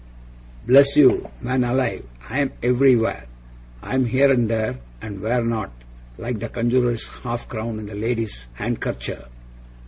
Bless you, man alive, I'm everywhere. I'm here and there, and where not, like the conjurer's half crown in the lady's handkercher.